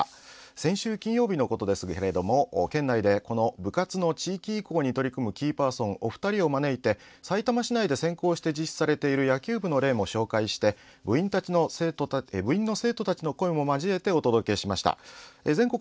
先週金曜日のことですけれども県内で部活動の地域移行に取り組むキーパーソンお二人を招いてさいたま市内でも先行して実施されている地域移行について部員たちの声も交えてお届けしました。